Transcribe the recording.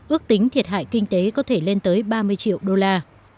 ước tính thiệt hại kinh tế có thể lên tới ba mươi triệu đô la